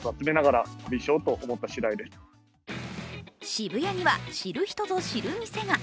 渋谷には知る人ぞ知る店が。